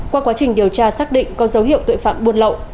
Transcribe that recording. qua quá trình điều tra xác định có dấu hiệu tội phạm buôn lậu